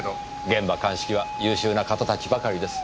現場鑑識は優秀な方たちばかりです。